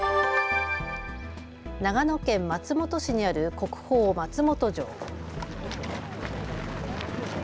長野県松本市にある国宝、松本城。